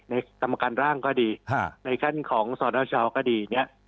ในธรรมการร่างก็ดีในขั้นของสอนเช้าก็ดี